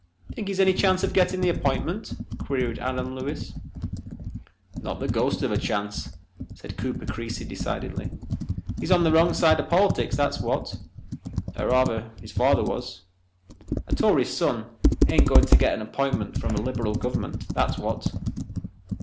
"Think he's any chance of getting the app'intment?" queried Adam Lewis. "Not the ghost of a chance," said Cooper Creasy decidedly. "He's on the wrong side of politics, that's what. Er rather his father was. A Tory's son ain't going to get an app'intment from a Lib'ral government, that's what."